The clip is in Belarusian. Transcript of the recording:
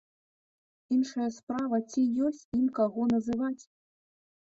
Іншая справа, ці ёсць ім каго называць?